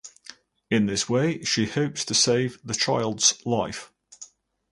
In this way she hopes to save the child's life.